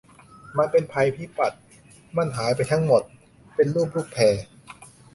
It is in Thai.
มันเป็นภัยพิบัติ มันหายไปทั้งหมดเป็นรูปลูกแพร์